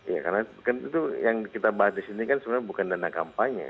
ya karena kan itu yang kita bahas di sini kan sebenarnya bukan dana kampanye